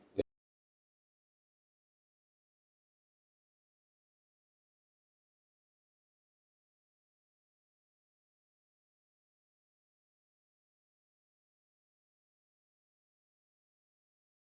pemilihan makhluk sangat persis